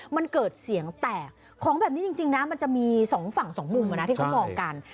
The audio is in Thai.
มันเกิดเสียงแตกของแบบนี้จริงนะมันจะมีสองฝั่งสองมุมที่เขามองกัน